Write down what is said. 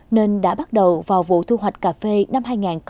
nên đã bắt đầu vào vụ thu hoạch cà phê năm hai nghìn một mươi năm